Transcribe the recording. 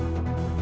aku mau ke rumah